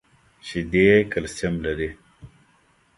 شیدې کلسیم لري .